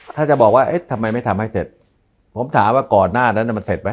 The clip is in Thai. ถ้าจะบอกว่าเอ๊ะทำไมไม่ทำให้เสร็จผมถามว่าก่อนหน้านั้นมันเสร็จไหม